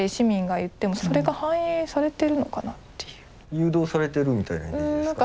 誘導されてるみたいなイメージですか？